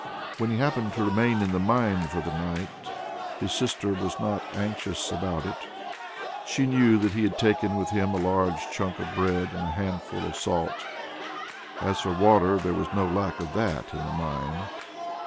When he happened to remain in the mine for the night, his sister was not anxious about it; she knew that he had taken with him a large chunk of bread and a handful of salt; as for water, there was no lack of that in the mine!